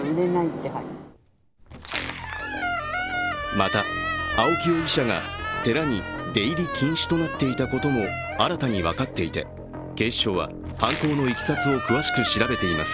また、青木容疑者が寺に出入り禁止となっていたことも新たに分かっていて、警視庁は犯行のいきさつを詳しく調べています